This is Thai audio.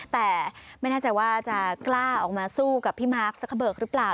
แต่ไม่แน่ใจว่าจะกล้าออกมาสู้กับพี่มาร์คสักกระเบิกหรือเปล่า